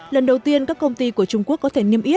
lần đầu tiên các công ty của trung quốc có thể niêm yết